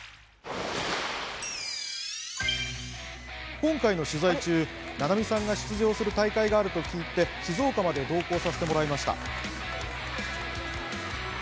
今回の取材中、菜々美さんが出場する大会があると聞いて静岡まで同行させてもらいました。